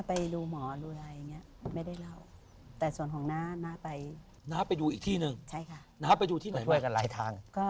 พ่อได้เล่าเรื่องนี้ให้นะฟังหรือเปล่าจ๊ะ